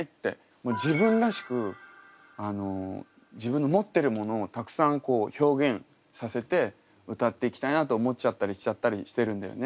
もう自分らしく自分の持ってるものをたくさん表現させて歌っていきたいなって思っちゃったりしちゃったりしてるんだよね。